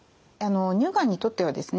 乳がんにとってはですね